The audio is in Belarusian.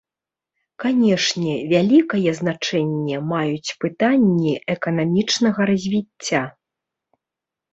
Канешне, вялікае значэнне маюць пытанні эканамічнага развіцця.